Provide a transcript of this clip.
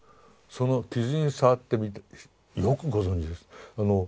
その傷に触ってみてよくご存じですね。